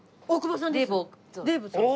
大久保さんです。